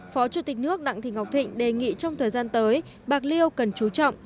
phó chủ tịch nước đặng thị ngọc thịnh đề nghị trong thời gian tới bạc liêu cần chú trọng